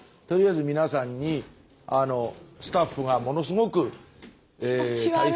とりあえず皆さんにスタッフがものすごく。